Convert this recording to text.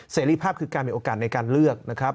เสรีภาพคือการมีโอกาสในการเลือกนะครับ